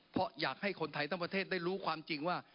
เพราะอยากให้คนไทยทั้งประเทศได้รู้ความจริงว่า